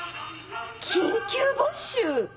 「緊急募集！」。